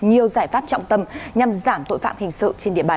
nhiều giải pháp trọng tâm nhằm giảm tội phạm hình sự trên địa bàn